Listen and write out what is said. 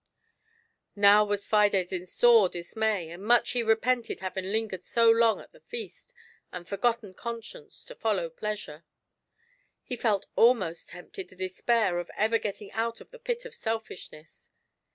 Now was Fides in sore dismay, and much he repented having lingered so long at the feast, and forgotten Con science to follow Pleasure. He felt almost tempted to despair of ever getting out of the pit of Selfishness.